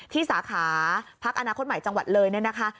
สาขาพักอนาคตใหม่จังหวัดเลยเนี่ยนะคะ